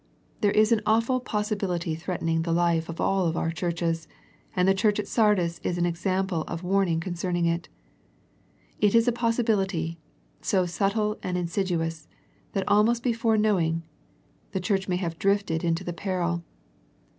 There is an awful possibility threatening the life of all our churches, and the church at Sardis is an example of warning concerning it. It is a possibility, so subtle and insidious, that almost before knowing, the church may have drifted into the peril.